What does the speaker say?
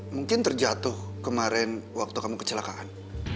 mungkin terjatuh kemarin waktu kamu kecelakaan